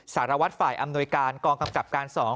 สารวัตรฝ่ายอำนวยการกองกำกับการ๒